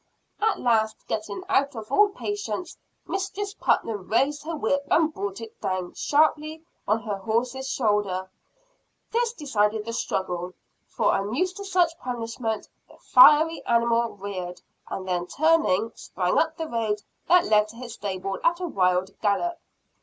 At last, getting out of all patience, Mistress Putnam raised her whip and brought it down sharply on her horse's shoulder. This decided the struggle; for, unused to such punishment, the fiery animal reared, and then turning, sprang up the road that led to his stable at a wild gallop.